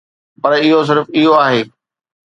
پر اهو صرف اهو آهي.